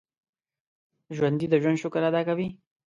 ژوندي د ژوند شکر ادا کوي